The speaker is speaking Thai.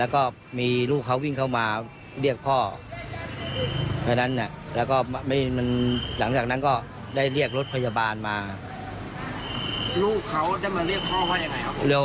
ก็ไม่ได้ยินเสียงของทั้งคู่ทะเลาะกันแต่อย่างใด